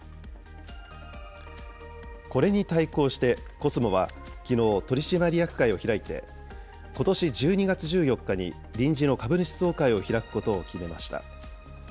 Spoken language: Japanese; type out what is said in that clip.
これに対抗して、コスモはきのう取締役会を開いて、ことし１２月１４日に臨時の株主総会を開くことを決めました。